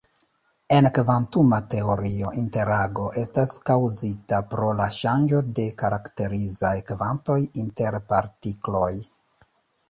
En kvantuma teorio, interago estas kaŭzita pro la ŝanĝo de karakterizaj kvantoj inter partikloj.